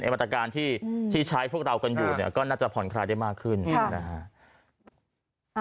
ไอ้วัตการณ์ที่ที่ใช้พวกเรากันอยู่เนี่ยก็น่าจะผ่อนคลายได้มากขึ้นค่ะ